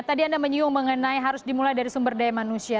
tadi anda menyinggung mengenai harus dimulai dari sumber daya manusia